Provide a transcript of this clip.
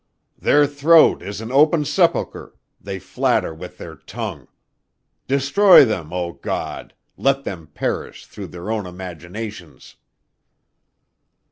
"'Their throat is an open sepulcher: they flatter with their tongue.... Destroy them, O God: let them perish through their own imaginations.'"...